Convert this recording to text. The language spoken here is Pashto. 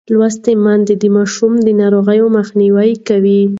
لوستې میندې د ماشوم د ناروغۍ مخنیوی کوي.